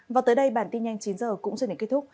và tới đây bản tin nhanh chín h cũng xin đến kết thúc